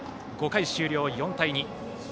５回終了、４対２。